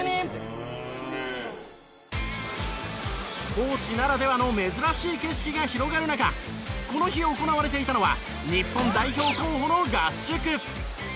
高地ならではの珍しい景色が広がる中この日行われていたのは日本代表候補の合宿。